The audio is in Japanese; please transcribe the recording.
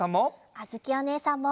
あづきおねえさんも。